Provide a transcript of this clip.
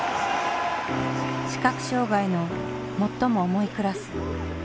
視覚障害の最も重いクラス。